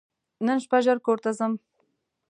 نن شپه ژر کور ته ځم !